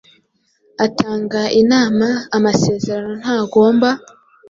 atanga inama amasezerano ntagomba